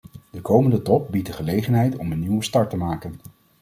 De komende top biedt de gelegenheid om een nieuwe start te maken.